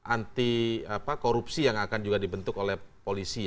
anti korupsi yang akan juga dibentuk oleh polisi